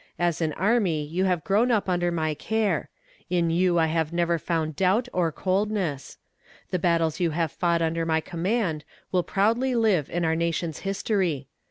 As an army you have grown up under my care. In you I have never found doubt or coldness. The battles you have fought under my command will proudly live in our nation's history.